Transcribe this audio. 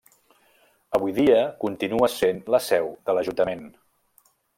Avui dia continua sent la seu de l'Ajuntament.